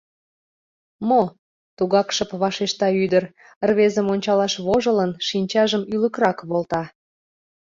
— Мо? — тугак шып вашешта ӱдыр, рвезым ончалаш вожылын, шинчажым ӱлыкрак волта.